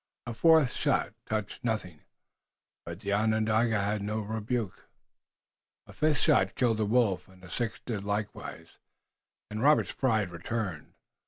A fourth shot touched nothing, but the Onondaga had no rebuke, a fifth shot killed a wolf, a sixth did likewise, and Robert's pride returned.